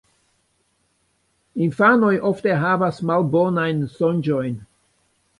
Infanoj ofte havas malbonajn sonĝojn.